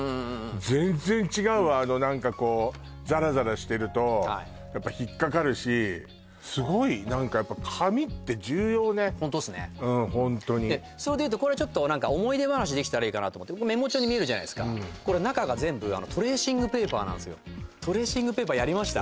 全然違うわあの何かこうザラザラしてるとやっぱ引っかかるしすごい何かやっぱホントっすねうんホントにそれでいうとこれ何か思い出話できたらいいかなと思ってこれメモ帳に見えるじゃないすかこれ中が全部トレーシングペーパーやりました？